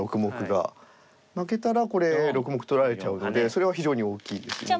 負けたらこれ６目取られちゃうのでそれは非常に大きいですよね。